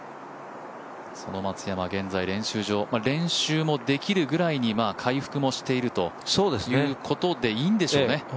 その松山、現在練習もできるぐらいに回復もしているということでいいんでしょうね。